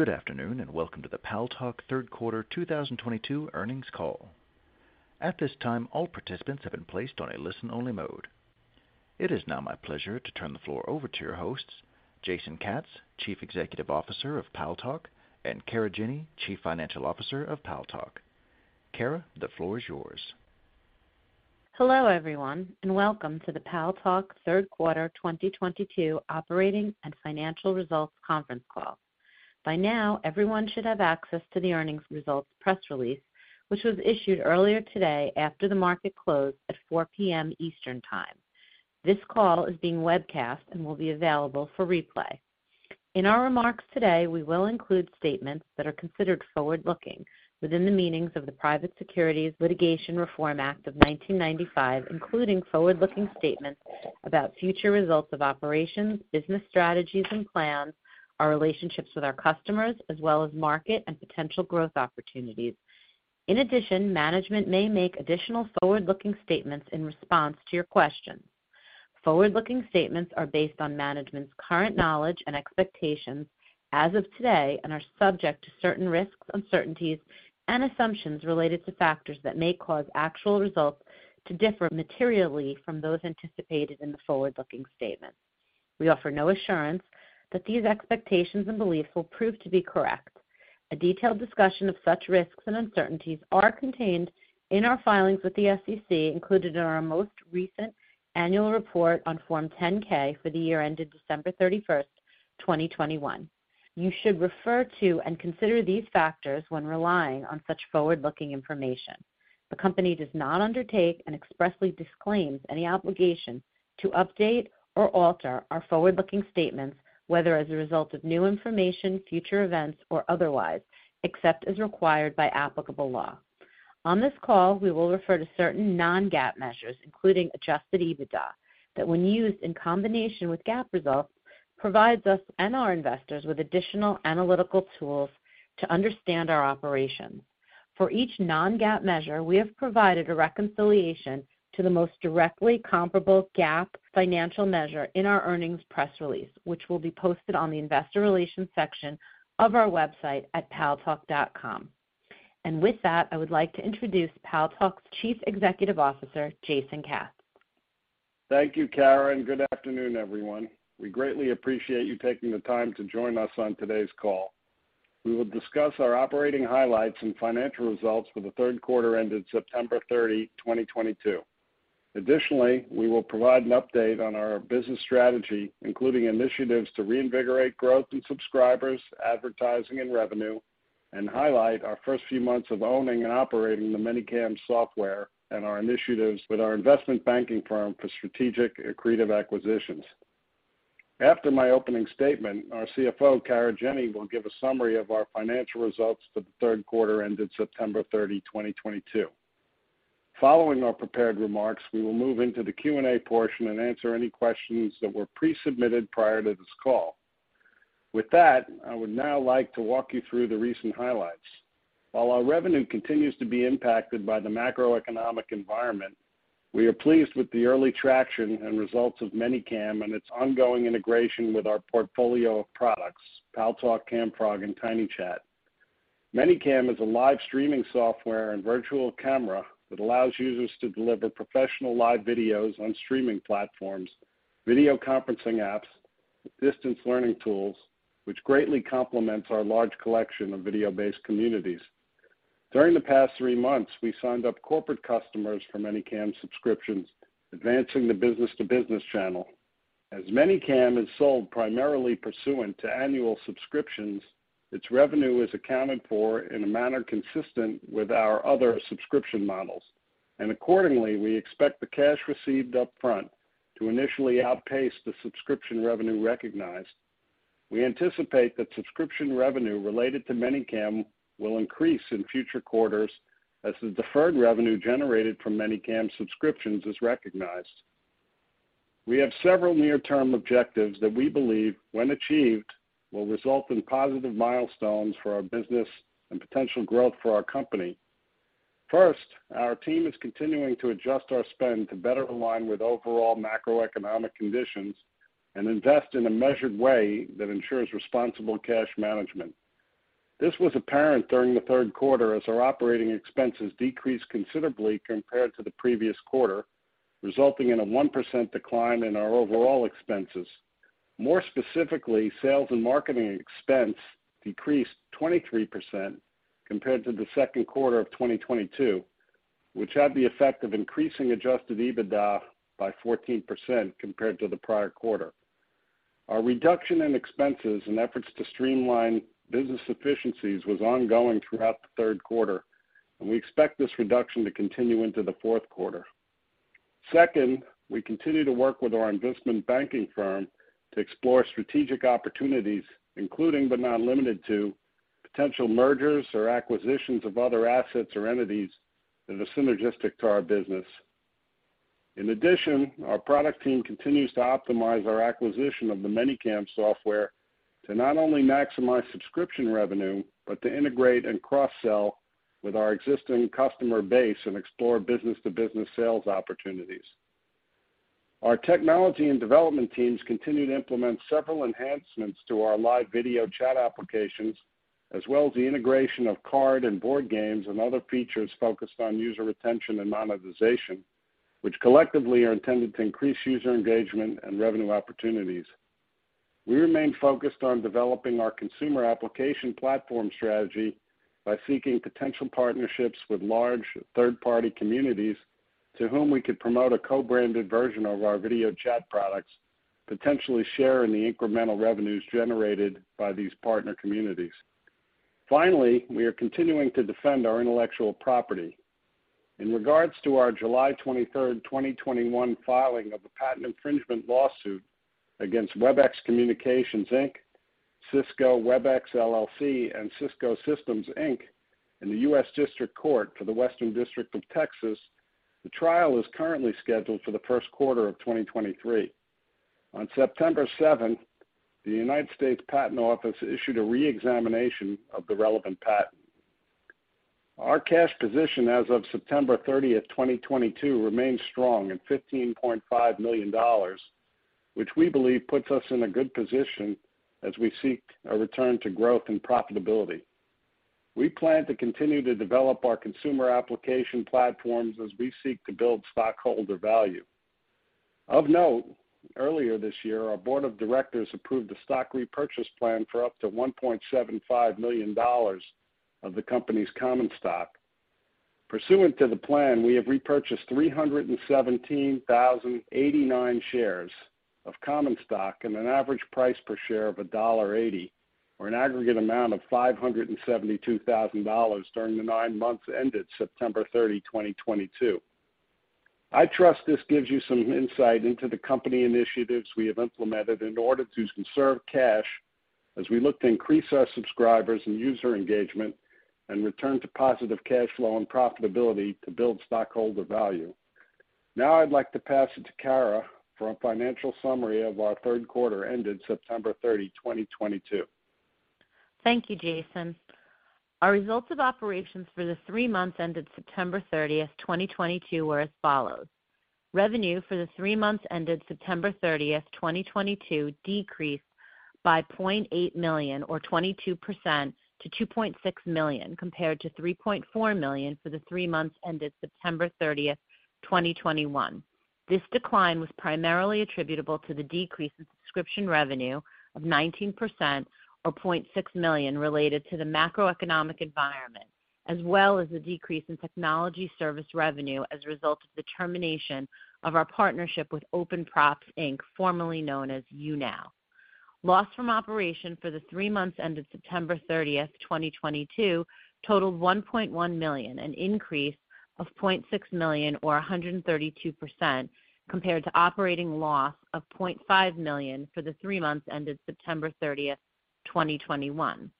Good afternoon, and welcome to the Paltalk Third Quarter 2022 Earnings Call. At this time, all participants have been placed on a listen-only mode. It is now my pleasure to turn the floor over to your hosts, Jason Katz, Chief Executive Officer of Paltalk, and Kara Jenny, Chief Financial Officer of Paltalk. Kara, the floor is yours. Hello, everyone, and welcome to the Paltalk Third Quarter 2022 Operating and Financial Results Conference Call. By now, everyone should have access to the earnings results press release, which was issued earlier today after the market closed at 4:00 P.M. Eastern Time. This call is being webcast and will be available for replay. In our remarks today, we will include statements that are considered forward-looking within the meanings of the Private Securities Litigation Reform Act of 1995, including forward-looking statements about future results of operations, business strategies and plans, our relationships with our customers, as well as market and potential growth opportunities. In addition, management may make additional forward-looking statements in response to your questions. Forward-looking statements are based on management's current knowledge and expectations as of today and are subject to certain risks, uncertainties, and assumptions related to factors that may cause actual results to differ materially from those anticipated in the forward-looking statement. We offer no assurance that these expectations and beliefs will prove to be correct. A detailed discussion of such risks and uncertainties are contained in our filings with the SEC, included in our most recent annual report on Form 10-K for the year ended December 31, 2021. You should refer to and consider these factors when relying on such forward-looking information. The company does not undertake and expressly disclaims any obligation to update or alter our forward-looking statements, whether as a result of new information, future events, or otherwise, except as required by applicable law. On this call, we will refer to certain non-GAAP measures, including Adjusted EBITDA, that when used in combination with GAAP results, provides us and our investors with additional analytical tools to understand our operations. For each non-GAAP measure, we have provided a reconciliation to the most directly comparable GAAP financial measure in our earnings press release, which will be posted on the Investor Relations section of our website at paltalk.com. With that, I would like to introduce Paltalk's Chief Executive Officer, Jason Katz. Thank you, Kara, and good afternoon, everyone. We greatly appreciate you taking the time to join us on today's call. We will discuss our operating highlights and financial results for the third quarter ended September 30, 2022. Additionally, we will provide an update on our business strategy, including initiatives to reinvigorate growth in subscribers, advertising, and revenue, and highlight our first few months of owning and operating the ManyCam software and our initiatives with our investment banking firm for strategic accretive acquisitions. After my opening statement, our CFO, Kara Jenny, will give a summary of our financial results for the third quarter ended September 30, 2022. Following our prepared remarks, we will move into the Q&A portion and answer any questions that were pre-submitted prior to this call. With that, I would now like to walk you through the recent highlights. While our revenue continues to be impacted by the macroeconomic environment, we are pleased with the early traction and results of ManyCam and its ongoing integration with our portfolio of products, Paltalk, Camfrog, and TinyChat. ManyCam is a live streaming software and virtual camera that allows users to deliver professional live videos on streaming platforms, video conferencing apps, distance learning tools, which greatly complements our large collection of video-based communities. During the past three months, we signed up corporate customers for ManyCam subscriptions, advancing the business-to-business channel. As ManyCam is sold primarily pursuant to annual subscriptions, its revenue is accounted for in a manner consistent with our other subscription models. Accordingly, we expect the cash received up front to initially outpace the subscription revenue recognized. We anticipate that subscription revenue related to ManyCam will increase in future quarters as the deferred revenue generated from ManyCam subscriptions is recognized. We have several near-term objectives that we believe, when achieved, will result in positive milestones for our business and potential growth for our company. First, our team is continuing to adjust our spend to better align with overall macroeconomic conditions and invest in a measured way that ensures responsible cash management. This was apparent during the third quarter as our operating expenses decreased considerably compared to the previous quarter, resulting in a 1% decline in our overall expenses. More specifically, sales and marketing expense decreased 23% compared to the second quarter of 2022, which had the effect of increasing Adjusted EBITDA by 14% compared to the prior quarter. Our reduction in expenses and efforts to streamline business efficiencies was ongoing throughout the third quarter, and we expect this reduction to continue into the fourth quarter. Second, we continue to work with our investment banking firm to explore strategic opportunities, including but not limited to potential mergers or acquisitions of other assets or entities that are synergistic to our business. In addition, our product team continues to optimize our acquisition of the ManyCam software to not only maximize subscription revenue, but to integrate and cross-sell with our existing customer base and explore business-to-business sales opportunities. Our technology and development teams continue to implement several enhancements to our live video chat applications, as well as the integration of card and board games and other features focused on user retention and monetization, which collectively are intended to increase user engagement and revenue opportunities. We remain focused on developing our consumer application platform strategy by seeking potential partnerships with large third-party communities to whom we could promote a co-branded version of our video chat products, potentially share in the incremental revenues generated by these partner communities. Finally, we are continuing to defend our intellectual property. In regards to our July 23, 2021 filing of a patent infringement lawsuit against WebEx Communications, Inc., Cisco Webex LLC, and Cisco Systems, Inc. In the U.S. District Court for the Western District of Texas, the trial is currently scheduled for the first quarter of 2023. On September 7, the United States Patent Office issued a re-examination of the relevant patent. Our cash position as of September 30, 2022 remains strong at $15.5 million, which we believe puts us in a good position as we seek a return to growth and profitability. We plan to continue to develop our consumer application platforms as we seek to build stockholder value. Of note, earlier this year, our board of directors approved a stock repurchase plan for up to $1.75 million of the company's common stock. Pursuant to the plan, we have repurchased 317,089 shares of common stock at an average price per share of $1.80 or an aggregate amount of $572,000 during the nine months ended September 30, 2022. I trust this gives you some insight into the company initiatives we have implemented in order to conserve cash as we look to increase our subscribers and user engagement and return to positive cash flow and profitability to build stockholder value. Now I'd like to pass it to Kara for a financial summary of our third quarter ended September 30, 2022. Thank you, Jason. Our results of operations for the three months ended September 30, 2022 were as follows. Revenue for the three months ended September 30, 2022 decreased by $0.8 million or 22% to $2.6 million, compared to $3.4 million for the three months ended September 30, 2021. This decline was primarily attributable to the decrease in subscription revenue of 19% or $0.6 million related to the macroeconomic environment, as well as the decrease in technology service revenue as a result of the termination of our partnership with Open Props, Inc., formerly known as YouNow. Loss from operations for the three months ended September 30th, 2022 totaled $1.1 million, an increase of $0.6 million or 132%, compared to operating loss of $0.5 million for the three months ended September 30th, 2021.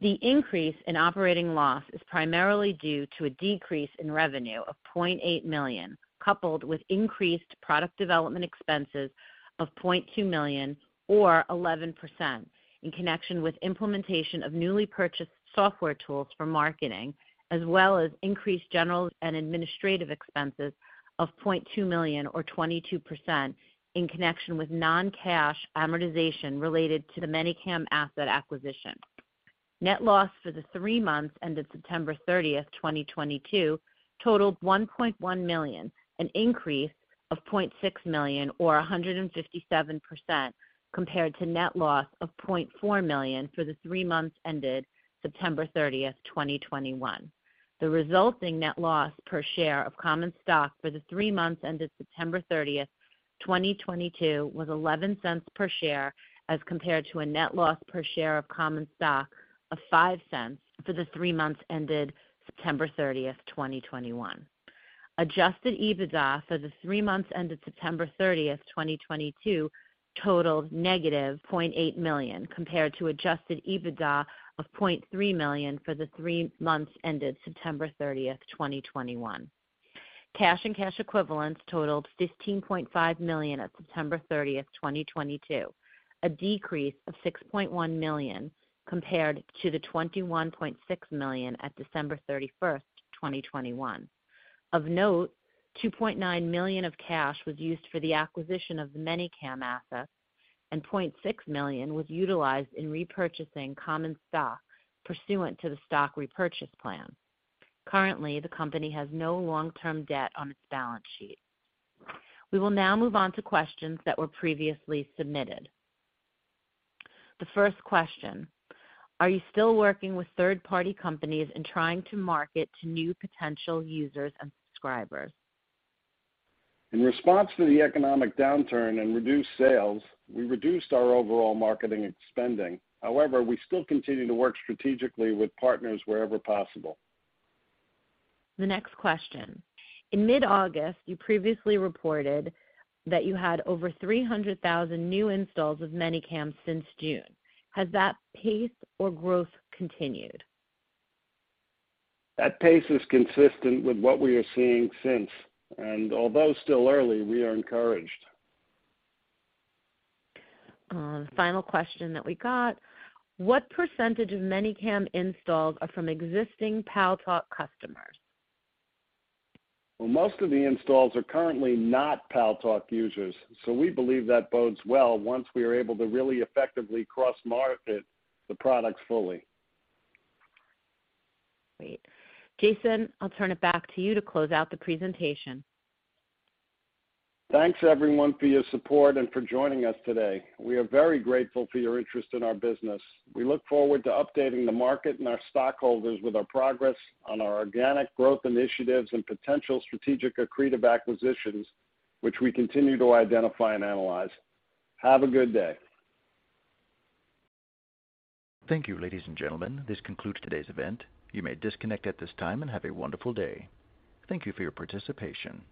The increase in operating loss is primarily due to a decrease in revenue of $0.8 million, coupled with increased product development expenses of $0.2 million or 11% in connection with implementation of newly purchased software tools for marketing, as well as increased general and administrative expenses of $0.2 million or 22% in connection with non-cash amortization related to the ManyCam asset acquisition. Net loss for the three months ended September 30, 2022 totaled $1.1 million, an increase of $0.6 million or 157% compared to net loss of $0.4 million for the three months ended September 30, 2021. The resulting net loss per share of common stock for the three months ended September 30, 2022 was $0.11 per share as compared to a net loss per share of common stock of $0.05 for the three months ended September 30, 2021. Adjusted EBITDA for the three months ended September 30, 2022 totaled -$0.8 million compared to Adjusted EBITDA of $0.3 million for the three months ended September 30, 2021. Cash and cash equivalents totaled $15.5 million at September 30, 2022, a decrease of $6.1 million compared to the $21.6 million at December 31, 2021. Of note, $2.9 million of cash was used for the acquisition of the ManyCam assets, and $0.6 million was utilized in repurchasing common stock pursuant to the stock repurchase plan. Currently, the company has no long-term debt on its balance sheet. We will now move on to questions that were previously submitted. The first question: Are you still working with third-party companies in trying to market to new potential users and subscribers? In response to the economic downturn and reduced sales, we reduced our overall marketing and spending. However, we still continue to work strategically with partners wherever possible. The next question: In mid-August, you previously reported that you had over 300,000 new installs of ManyCam since June. Has that pace or growth continued? That pace is consistent with what we are seeing since. Although still early, we are encouraged. The final question that we got: What percentage of ManyCam installs are from existing Paltalk customers? Well, most of the installs are currently not Paltalk users, so we believe that bodes well once we are able to really effectively cross-market the products fully. Great. Jason, I'll turn it back to you to close out the presentation. Thanks, everyone for your support and for joining us today. We are very grateful for your interest in our business. We look forward to updating the market and our stockholders with our progress on our organic growth initiatives and potential strategic accretive acquisitions, which we continue to identify and analyze. Have a good day. Thank you, ladies and gentlemen. This concludes today's event. You may disconnect at this time and have a wonderful day. Thank you for your participation.